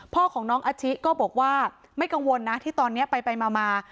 พ่อของน้องอาชิก็บอกว่าไม่กังวลนะที่ตอนนี้ไปมา